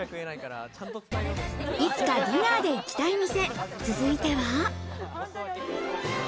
いつかディナーで行きたい店、続いては。